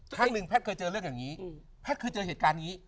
ครั้งหนึ่งแพทย์เคยเจอเรื่องอย่างนี้แพทย์เคยเจอเหตุการณ์นี้